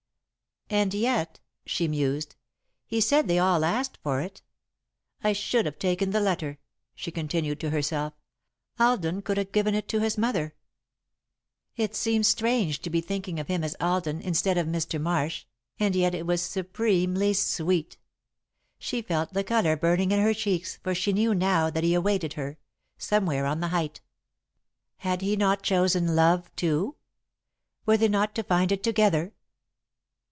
"And yet," she mused, "he said they all asked for it. I should have taken the letter," she continued, to herself. "Alden could have given it to his mother." It seemed strange to be thinking of him as "Alden" instead of "Mr. Marsh," and yet it was supremely sweet. She felt the colour burning in her cheeks, for she knew, now, that he awaited her, somewhere on the height. Had he not chosen Love too? Were they not to find it together?